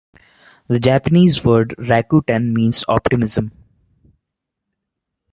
The Japanese word "rakuten" means "optimism".